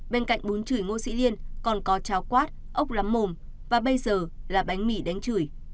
bên cạnh bún chửi ngô sĩ liên còn có cháo quát ốc lắm mồm và bây giờ là bánh mì đánh chửi